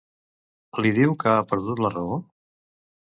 Li diu que ha perdut la raó?